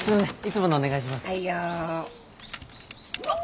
うわっ！